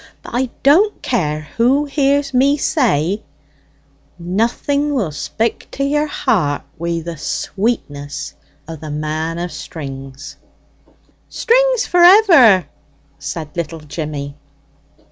But I don't care who hears me say it, nothing will spak to your heart wi' the sweetness o' the man of strings!" "Strings for ever!" said little Jimmy.